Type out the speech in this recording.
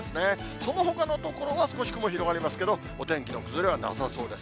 そのほかの所は少し雲広がりますけど、お天気の崩れはなさそうです。